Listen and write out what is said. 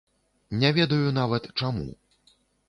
Не ведаю нават чаму.